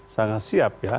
sangat siap ya